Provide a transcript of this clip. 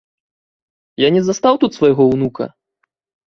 Я не застаў тут свайго ўнука?